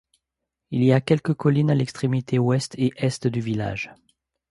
Il y a quelques collines à l'extrémité ouest et est du village.